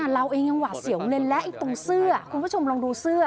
เราเองยังหวาดเสียวเลยและตรงเสื้อคุณผู้ชมลองดูเสื้อ